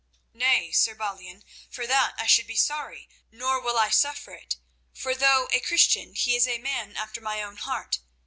"Nay, Sir Balian, for that I should be sorry, nor will I suffer it, for though a Christian he is a man after my own heart.